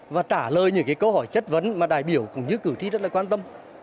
và trả lời những câu hỏi chất vấn mà đại biểu cũng như cử thi rất quan tâm